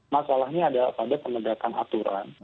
masalahnya ada pada pemegakan aturan